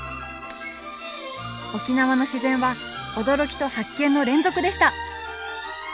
沖縄の自然は驚きと発見の連続でした！